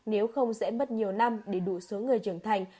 nếu không sẽ mất nhiều năm để đủ số người trưởng thành